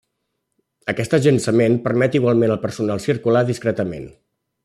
Aquest agençament permet igualment al personal circular discretament.